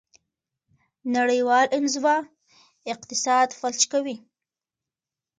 نړیوال انزوا اقتصاد فلج کوي.